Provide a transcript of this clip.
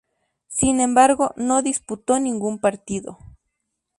Sin embargo no disputó ningún partido.